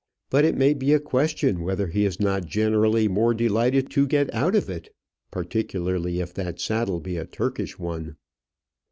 But it may be a question whether he is not generally more delighted to get out of it; particularly if that saddle be a Turkish one.